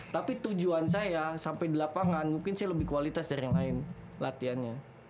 tapi tujuan saya sampai di lapangan mungkin saya lebih kualitas dari yang lain latihannya